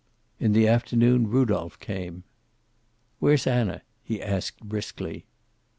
In the afternoon Rudolph came. "Where's Anna?" he asked briskly.